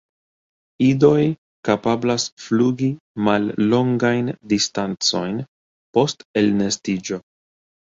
Idoj kapablas flugi mallongajn distancojn post elnestiĝo.